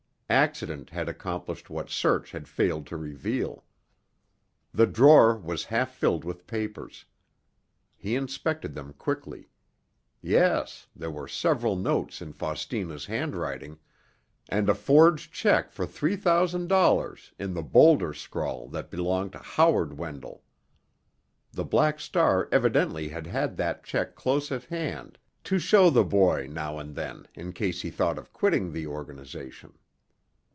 Accident had accomplished what search had failed to reveal. The drawer was half filled with papers. He inspected them quickly—yes, there were several notes in Faustina's handwriting, and a forged check for three thousand dollars in the bolder scrawl that belonged to Howard Wendell. The Black Star evidently had had that check close at hand to show the boy now and then in case he thought of quitting the organization.